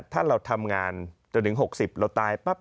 ถ้าเราทำงานจนถึง๖๐เราตายปั๊บ